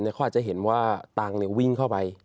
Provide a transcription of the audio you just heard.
เขาอาจจะเห็นว่าตังค์วิ่งเข้าไป